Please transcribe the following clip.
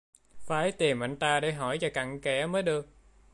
Phải tìm anh ta để hỏi cho cặn kẽ mới được